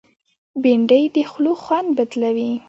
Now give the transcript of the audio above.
بېنډۍ د خولو خوند بدلوي